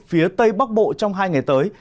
phía tây bắc bộ trong hai ngày tới